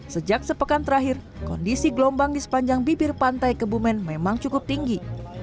sejak sepekan terakhir kondisi gelombang di sepanjang bibir pantai kebumen memang cukup tinggi